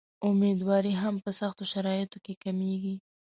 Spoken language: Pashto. امیندواري هم په سختو شرایطو کې کمېږي.